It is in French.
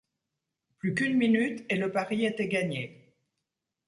Plus qu’une minute, et le pari était gagné.